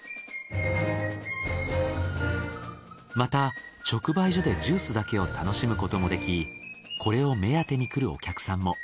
また直売所でジュースだけを楽しむこともできこれを目当てに来るお客さんも。